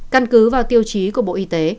căn cứ vào tiêu chí của bộ y tế